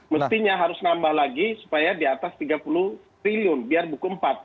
mestinya harus nambah lagi supaya di atas tiga puluh triliun biar buku empat